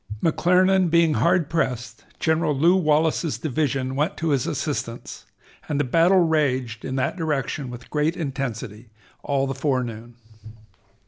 McClernand being hard pressed, General Lew Wallace's division went to his assistance, and the battle raged in that direction with great intensity all the forenoon.